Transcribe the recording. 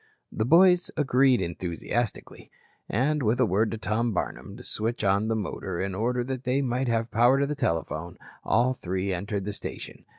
The boys agreed enthusiastically, and with a word to Tom Barnum to switch on the motor in order that they might have power to telephone, all three entered the station.